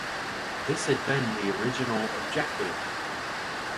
This had been the original objective.